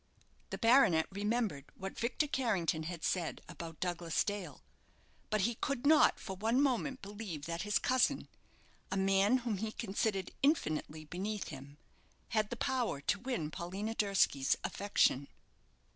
The baronet remembered what Victor Carrington had said about Douglas Dale; but he could not for one moment believe that his cousin a man whom he considered infinitely beneath him had the power to win Paulina Durski's affection.